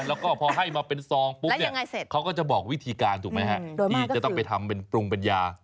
แล้วก็พอให้มาเป็นซองปุ๊บเนี่ยเขาก็จะบอกวิธีการถูกไหมฮะที่จะต้องไปทำเป็นปรุงเป็นยา